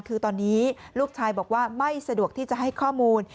คือตอนนี้ลูกชายบอกว่าไม่สะดวกที่จะให้ข้อมูล